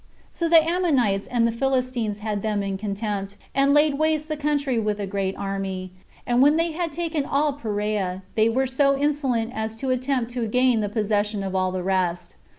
So the Ammonites and Philistines had them in contempt, and laid waste the country with a great army; and when they had taken all Perea, they were so insolent as to attempt to gain the possession of all the rest.